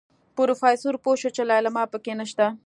پروفيسر پوه شو چې ليلما پکې نشته.